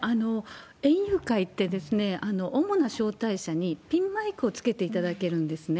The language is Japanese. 園遊会って、主な招待者にピンマイクをつけていただけるんですね。